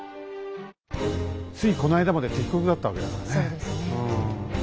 ついこないだまで敵国だったわけだからね。